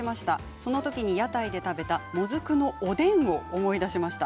そのときに屋台で食べたもずくのおでんを思い出しました。